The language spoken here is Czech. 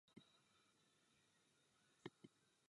Semeník je spodní.